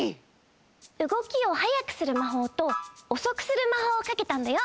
うごきをはやくするまほうとおそくするまほうをかけたんだよ。